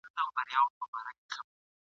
د زمري په اندېښنې وو پوهېدلی ..